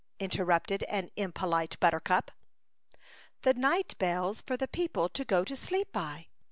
'* interrupted an im polite buttercup. *'The night bells for the people to go to sleep by.